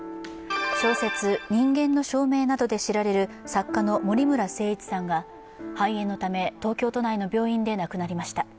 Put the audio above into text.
小説「人間の証明」などで知られる作家の森村誠一さんが肺炎のため東京都内の病院で亡くなりました。